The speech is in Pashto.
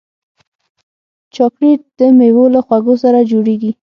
چاکلېټ د میوو له خوږو سره جوړېږي.